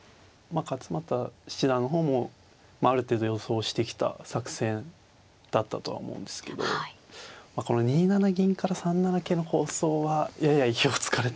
勝又七段の方もある程度予想してきた作戦だったとは思うんですけどこの２七銀から３七桂の構想はやや意表をつかれたような気がしますね。